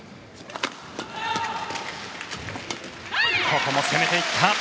ここも攻めていった。